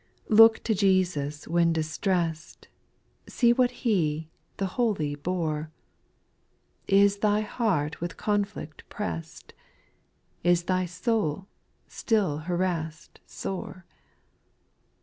4. Look io Jesus, when distressed, See what He, the Holy bore ; Is thy heart with conflict pressed ? Is thy soul still harassed sore